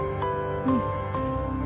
うん。